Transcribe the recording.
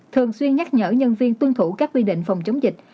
thường xuyên nhắc nhở nhân viên tuân thủ các quy định phòng chống dịch